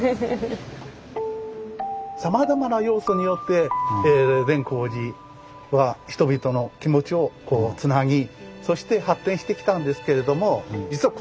さまざまな要素によって善光寺は人々の気持ちをつなぎそして発展してきたんですけれどもはあ。